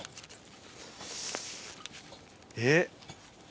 えっ？